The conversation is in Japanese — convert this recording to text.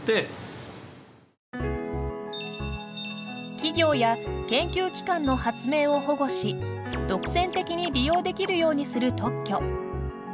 企業や研究機関の発明を保護し独占的に利用できるようにする特許。